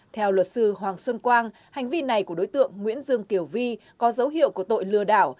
theo luật sư hoàng xuân quang hành vi này của đối tượng nguyễn dương kiều vi có dấu hiệu của tội lừa đảo